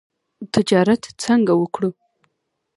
تجارت څنګه وکړو؟